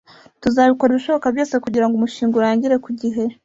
tuzakora ibishoboka byose kugirango umushinga urangire ku gihe